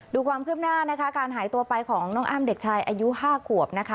ดูความคืบหน้านะคะการหายตัวไปของน้องอ้ำเด็กชายอายุ๕ขวบนะคะ